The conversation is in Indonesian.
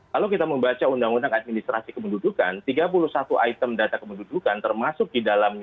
kalau kita membaca undang undang administrasi kependudukan tiga puluh satu item data kependudukan termasuk di dalamnya